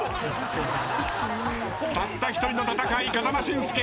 たった一人の戦い風間俊介。